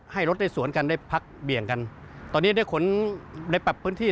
ให้รถได้สวนกันได้พักเบี่ยงกันตอนนี้ได้ขนได้ปรับพื้นที่